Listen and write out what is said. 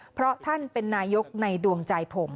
เพราะท่านเป็นนายกในดวงใจผม